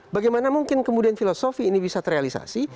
bagaimana mungkin kemudian filosofi ini bisa terrealisasi